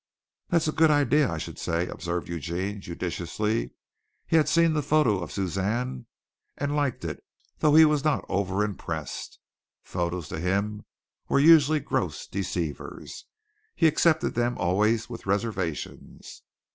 "That's a good idea, I should say," observed Eugene judicially. He had seen the photo of Suzanne and liked it, though he was not over impressed. Photos to him were usually gross deceivers. He accepted them always with reservations.